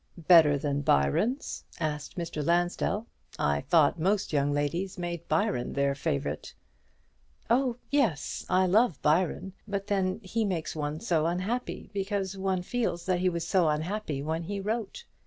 "Better than Byron's?" asked Mr. Lansdell; "I thought most young ladies made Byron their favourite." "Oh yes, I love Byron. But then he makes one so unhappy, because one feels that he was so unhappy when he wrote.